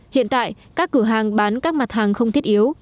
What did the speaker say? hiện tại các cửa hàng bán các mặt hàng không thiết yếu